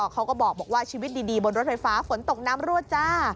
เขาก็บอกว่าชีวิตดีบนรถไฟฟ้าฝนตกน้ำรั่วจ้า